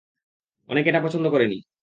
অনেকে এটা পছন্দ করে নি।